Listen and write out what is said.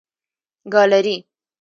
ګالري